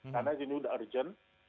karena ini sudah urgent